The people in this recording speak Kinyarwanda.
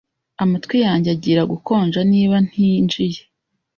Amatwi yanjye agiye gukonja niba ntinjiye.